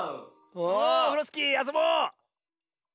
オフロスキーあそぼう！